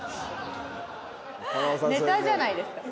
ネタじゃないですか。